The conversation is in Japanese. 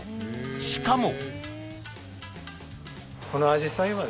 ［しかも］